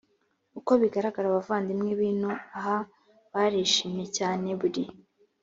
uko bigaragara abavandimwe b ino aha barishimye cyane buri